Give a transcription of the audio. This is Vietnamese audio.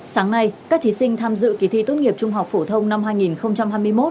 sáng nay các thí sinh tham dự kỳ thi tốt nghiệp trung học phổ thông năm hai nghìn hai mươi một